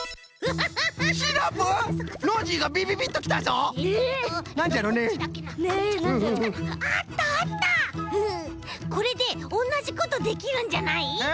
フフッこれでおんなじことできるんじゃない？え？